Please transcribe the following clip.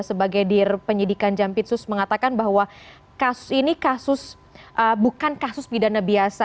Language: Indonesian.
sebagai dir penyidikan jampitsus mengatakan bahwa kasus ini kasus bukan kasus pidana biasa